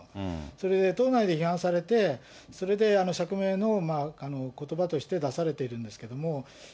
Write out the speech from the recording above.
それで党内で批判されて、それで釈明のことばとして出されているんですけど。